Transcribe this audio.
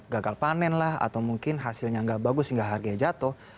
gagal panen lah atau mungkin hasilnya nggak bagus hingga harganya jatuh